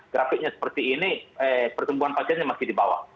grafiknya seperti ini pertumbuhan pasiennya masih di bawah